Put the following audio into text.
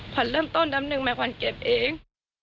ขวัญเริ่มต้นดำหนึ่งไหมขวัญเก็บเอง